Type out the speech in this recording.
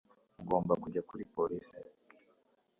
ngomba kujya kuri polisi